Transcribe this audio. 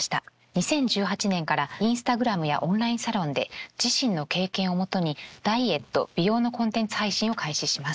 ２０１８年からインスタグラムやオンラインサロンで自身の経験を基にダイエット美容のコンテンツ配信を開始します。